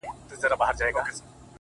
د ځوانيمرگ د هر غزل په سترگو کي يم _